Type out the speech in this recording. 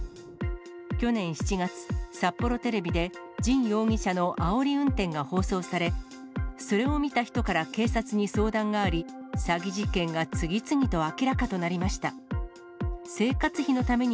去年７月、札幌テレビで、神容疑者のあおり運転が放送され、それを見た人から警察に相談があり、詐欺事件が次々と明らかとなりました。